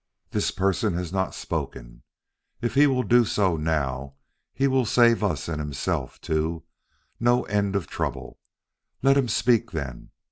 This person has not spoken. If he will do so now, he will save us and himself, too, no end of trouble. Let him speak, then.